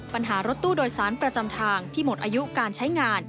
ปัญหารถตู้โดยสารประจำทางที่หมดอายุการใช้งาน